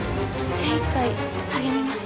精いっぱい励みます。